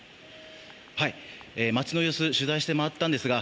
街の様子取材して回ったんですが